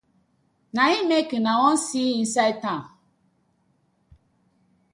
Na im mek una wan see inside town.